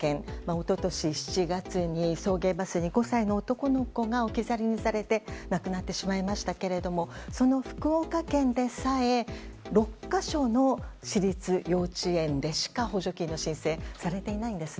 一昨年７月に、送迎バスに５歳の男の子が置き去りにされて亡くなってしまいましたがその福岡県でさえ６か所の私立幼稚園でしか補助金の申請がされていないんです。